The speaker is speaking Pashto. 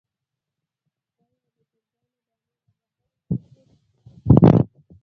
آیا د چرګانو دانی له بهر راځي؟